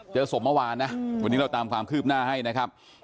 เจอศพเมื่อวานนะวันนี้เราตามความคืบหน้าให้นะครับ